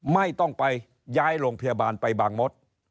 ไม่ต้องไปย้ายโรงพยาบาลไปบางมด